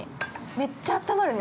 めっちゃあったまるね。